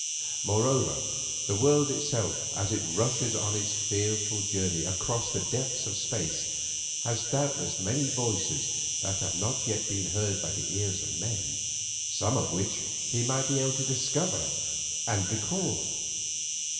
Moreover, the world itself as it rushes on its fearful journey across the depths of space has doubtless many voices that have not yet been heard by the ears of men, some of which he might be able to discover and record.